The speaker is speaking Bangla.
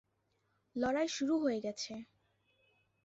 লড়াই শুরু হয়ে গেছে!